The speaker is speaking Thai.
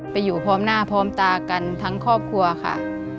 อยู่พร้อมหน้าพร้อมตากันทั้งครอบครัวค่ะ